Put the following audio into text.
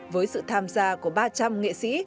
với sự tham gia của ba trăm linh nghệ sĩ